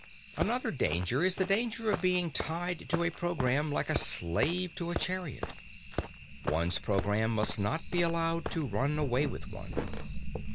Another danger is the danger of being tied to a programme like a slave to a chariot. One's programme must not be allowed to run away with one.